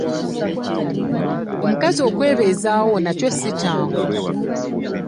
Omukazi okwebeezaawo nakyo si kyangu.